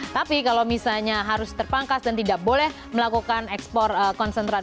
tapi kalau misalnya harus terpangkas dan tidak boleh melakukan ekspor konsentrat